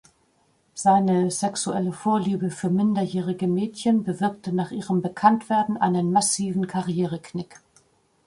Seine sexuelle Vorliebe für minderjährige Mädchen bewirkte nach ihrem Bekanntwerden einen massiven Karriereknick.